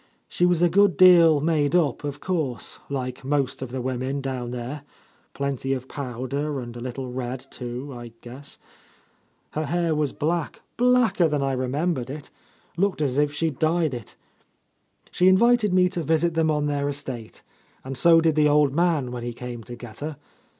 She was a good deal made up, of course, like most of the women down there; plenty of powder, and a little red, too, I guess. Her hair was black, blacker than I remembered It ; looked as if she dyed it. She in vited me to visit them on their estate, and so ^id the old man, when he came to get her.